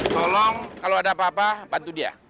tolong kalau ada apa apa bantu dia